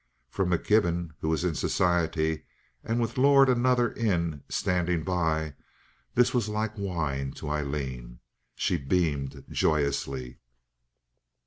From McKibben, who was in society, and with Lord, another "in" standing by, this was like wine to Aileen. She beamed joyously.